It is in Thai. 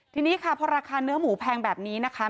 ทีนี้ค่ะพอราคาเนื้อหมูแพงแบบนี้นะคะ